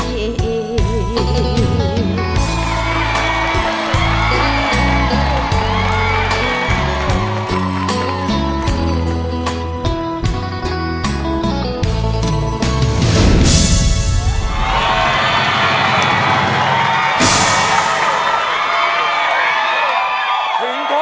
และมันทั้งมือ